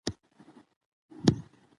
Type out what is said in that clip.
هغه نجلۍ چې ناروغه وه ښه شوه.